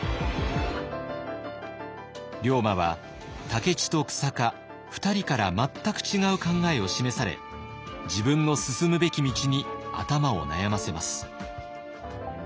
龍馬は武市と久坂２人から全く違う考えを示され自分の進むべき道に頭を悩ませます。